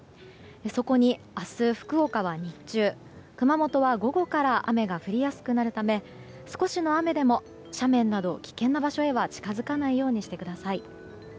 そこに明日、福岡は日中熊本は午後から雨が降りやすくなるため少しの雨でも斜面など、危険な場所には近づかないようにしてください。